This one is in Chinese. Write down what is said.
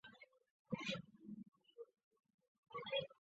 本次会议也是美国总统第一次在战争期间离开了美国本土。